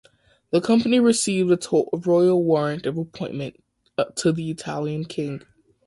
The company received a royal warrant of appointment to the Italian King.